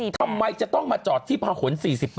ทำไมจะต้องมาจอดที่พาหน๔๘